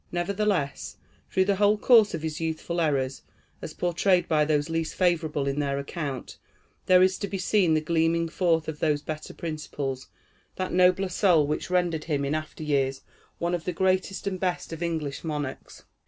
Nevertheless, through the whole course of his youthful errors, as portrayed by those least favorable in their account, there is to be seen the gleaming forth of those better principles, that nobler soul, which rendered him in after years one of the greatest and best of English monarchs.